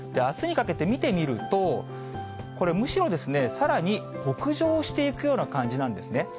あすにかけて見てみると、これ、むしろ、さらに北上していくような感じなんですね。